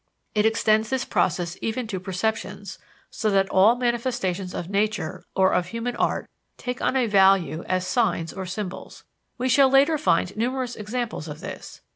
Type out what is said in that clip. It extends this process even to perceptions, so that all manifestations of nature or of human art take on a value as signs or symbols. We shall later find numerous examples of this.